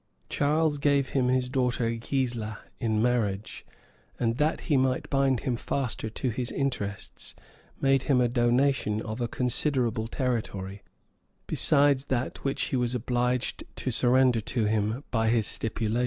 [*] Charles gave him his daughter Gisla in marriage; and, that he might bind him faster to his interests, made him a donation of a considerable territory, besides that which he was obliged to surrender to him by his stipulation.